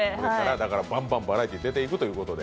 バラエティーに出ていくということで。